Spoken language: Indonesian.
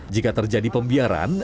jika terjadi pembiaran